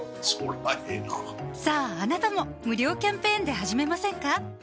そりゃええなさぁあなたも無料キャンペーンで始めませんか？